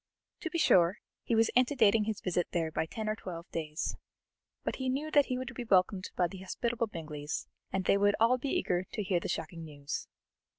To be sure, he was antedating his visit there by ten or twelve days; but he knew that he would be welcomed by the hospitable Bingleys, and they would all be eager to hear the shocking news.